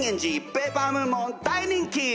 ペーパームーンも大人気！